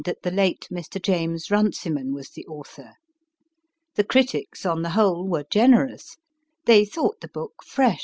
40 MY FIRST BOOK that the late Mr. James Runciman was the author. The critics on the whole were generous. They thought the book fresh.